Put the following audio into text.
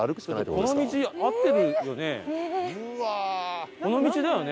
この道合ってるよね？